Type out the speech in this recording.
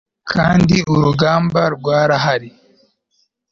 Kandi urugamba rwarahari